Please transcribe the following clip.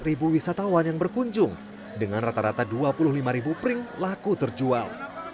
ketiga adalah wisatawan yang berkunjung dengan rata rata dua puluh lima pering laku terjual